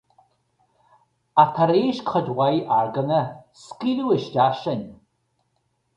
Ach tar éis cuid mhaith argóna, scaoileadh isteach sinn.